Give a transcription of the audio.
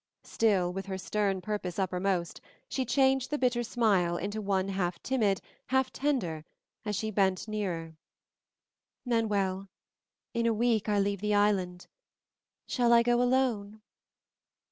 Still, with her stern purpose uppermost, she changed the bitter smile into one half timid, half tender, as she bent still nearer, "Manuel, in a week I leave the island. Shall I go alone?"